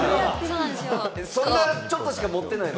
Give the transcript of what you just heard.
そんなちょっとしか持ってないの？